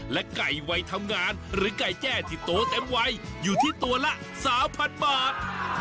และไก่วัยทำงานหรือไก่แจ้ที่โตเต็มวัยอยู่ที่ตัวละ๓๐๐บาท